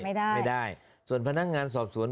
ไม่ได้